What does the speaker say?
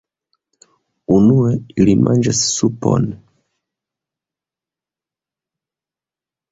Unue ili manĝas supon.